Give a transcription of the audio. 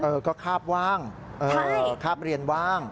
เออก็คาบว่างคาบเรียนว่าง